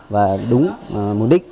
và đúng mục đích